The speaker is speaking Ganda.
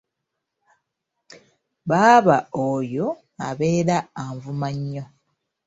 Baaba oyo abeera anvuma nnyo.